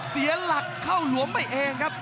เสียหลักเข้าหลวมไปเองครับ